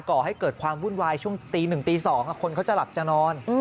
ก่อให้เกิดความวุ่นวายช่วงตี๑ตี๒คนเขาจะหลับจะนอน